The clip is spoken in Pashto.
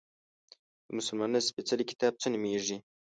د مسلمانانو سپیڅلی کتاب څه نومیږي؟